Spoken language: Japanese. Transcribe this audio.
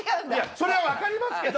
それは分かりますけど。